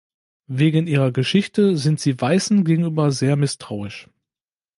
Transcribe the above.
Wegen ihrer Geschichte sind sie Weißen gegenüber sehr misstrauisch.